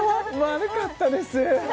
悪かったです